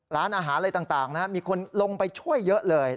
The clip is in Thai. ร้านอาหารอะไรต่างมีคนลงไปช่วยเยอะเลย